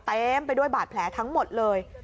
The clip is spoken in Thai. เต็มไปด้วยบาดแผลทั้งหมดเลย